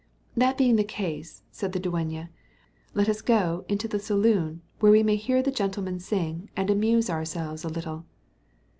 "That being the case," said the dueña, "let us go into the saloon, where we may hear the gentleman sing, and amuse ourselves a little."